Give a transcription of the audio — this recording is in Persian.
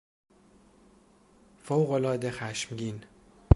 فوقالعاده خشمگین